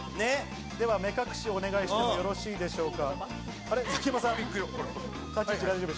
では目隠しをお願いしてもよろしいですか？